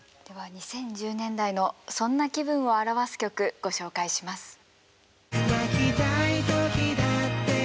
では２０１０年代のそんな気分を表す曲ご紹介します。